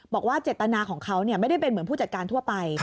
บอกว่าเจตนาของเขาไม่ได้เป็นเหมือนผู้จัดการทั่วไป